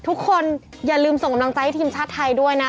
ทุกคนอย่าลืมส่งกำลังใจให้ทีมชาติไทยด้วยนะ